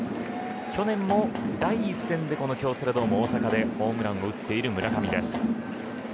去年も第１戦でこの京セラドーム大阪でホームランを打っている村上です。